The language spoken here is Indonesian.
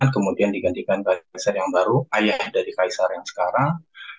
kemudian digantikan kaisar yang baru ayah dari kaisar yang sekarang